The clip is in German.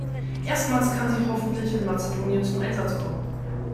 Erstmals kann sie hoffentlich in Mazedonien zum Einsatz kommen.